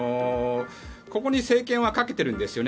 ここに政権はかけてるんですよね。